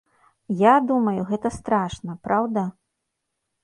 Я думаю, гэта страшна, праўда?